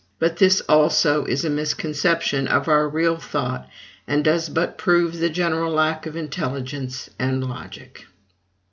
But this also is a misconception of our real thought, and does but prove the general lack of intelligence and logic.